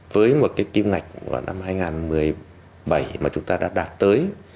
với một cái kim ngạch năm hai nghìn một mươi bảy mà chúng ta đã đạt tới